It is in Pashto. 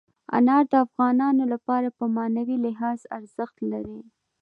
انار د افغانانو لپاره په معنوي لحاظ ارزښت لري.